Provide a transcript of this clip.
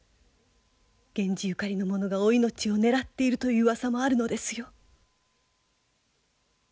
源氏ゆかりの者がお命を狙っているといううわさもあるのですよ。